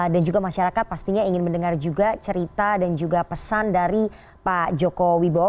dan juga masyarakat pastinya ingin mendengar juga cerita dan juga pesan dari pak joko wibowo